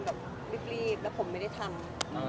เรียบร้อยแต่ผมไม่ได้ทำ